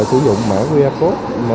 sử dụng mã qr code